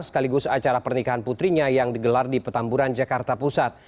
sekaligus acara pernikahan putrinya yang digelar di petamburan jakarta pusat